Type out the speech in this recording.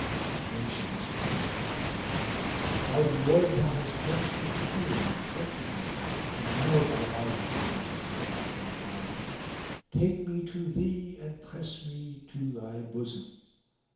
Then she whispered him, "By the Lord thou hast quenched a fire which tortured me and now, by Allah, O my little dark haired darling, take me to thee and press me to thy bosom!"